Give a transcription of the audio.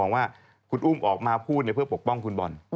ว่าคุณอุ้มออกมาพูดเพื่อปกป้องคุณบอล